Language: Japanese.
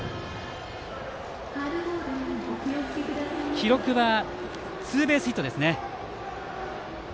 記録はツーベースヒットです。